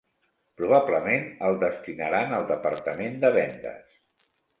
Probablement el destinaran al departament de vendes.